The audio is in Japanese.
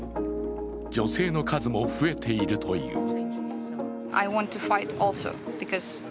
女性の数も増えているという。